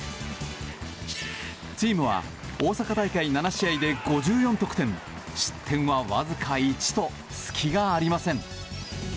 チームは大阪大会７試合で５４得点失点はわずか１と隙がありません。